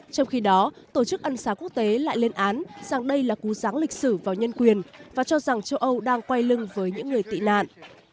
trong khi đó tổ chức ân xá quốc tế lại lên án rằng đây là cú ráng lịch sử vào nhân quyền và cho rằng châu âu đang quay lưng với những người tị nạn